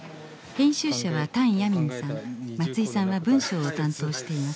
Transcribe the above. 編集者は唐亜明さん松居さんは文章を担当しています。